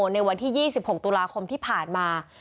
ในวันที่๒๖ตุลาคมที่ผ่านมา